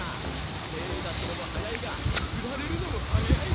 手ぇ出すのも早いがフラれるのも早い！